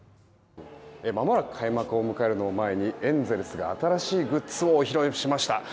まもなく開幕を迎えるのを前にエンゼルスが新しいグッズをお披露目しました。